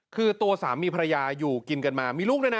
คือตัวสามีภรรยาอยู่กินกันมามีลูกด้วยนะ